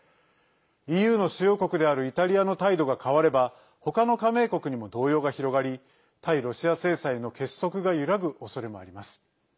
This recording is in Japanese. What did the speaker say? ＥＵの主要国であるイタリアの態度が変われば他の加盟国にも動揺が広がり対ロシア制裁の結束が揺らぐおそれもあります。